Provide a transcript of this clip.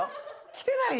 来てない？